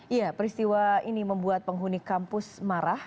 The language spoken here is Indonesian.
iya peristiwa ini membuat penghuni kampus marah